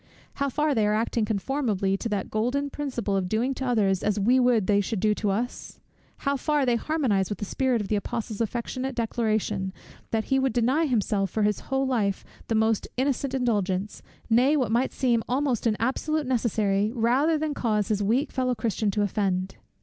how far they are acting conformably to that golden principle of doing to others as we would they should do to us? how far they harmonize with the spirit of the Apostle's affectionate declaration, that he would deny himself for his whole life the most innocent indulgence, nay, what might seem almost an absolute necessary, rather than cause his weak fellow Christian to offend?